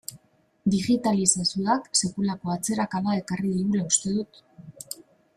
Digitalizazioak sekulako atzerakada ekarri digula uste dut.